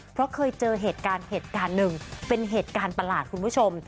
เพราะเคยเจอเหตุการณ์เหตุการณ์หนึ่งเป็นเหตุการณ์ประหลาดคุณผู้ชม